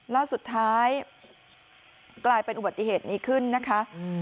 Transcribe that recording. แล้วสุดท้ายกลายเป็นอุบัติเหตุนี้ขึ้นนะคะ